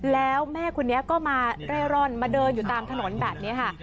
แล้วแม่คนนี้ก็มาเร่ร่อนมาเดินอยู่ตามถนนแบบนี้ค่ะ